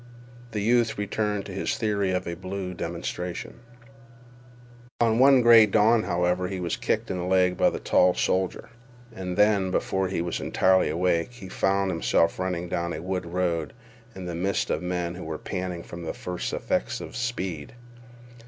The youth returned to his theory of a blue demonstration. One gray dawn, however, he was kicked in the leg by the tall soldier, and then, before he was entirely awake, he found himself running down a wood road in the midst of men who were panting from the first effects of speed.